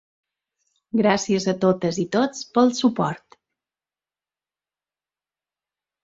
Gràcies a totes i tots pel suport.